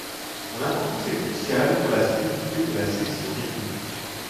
Son importance est cruciale pour la solidité de la section rythmique.